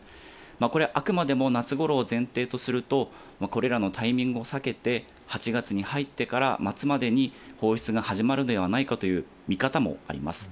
これ、あくまでも夏ごろを前提とすると、これらのタイミングを避けて、８月に入ってから末までに放出が始まるのではないかという見方もあります。